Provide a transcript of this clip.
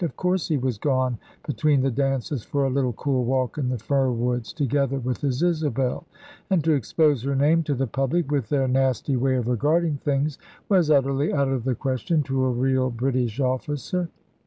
Of course he was gone, between the dances, for a little cool walk in the firwoods, together with his Isabel; and to expose her name to the public, with their nasty way of regarding things, was utterly out of the question to a real British officer!